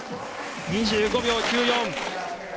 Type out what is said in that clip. ２５秒９４。